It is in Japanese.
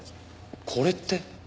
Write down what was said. これって。